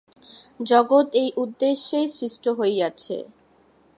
জগৎ এই উদ্দেশ্যেই সৃষ্ট হইয়াছে।